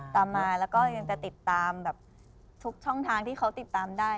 ตามมาแล้วก็ยังจะติดตามแบบทุกช่องทางที่เขาติดตามได้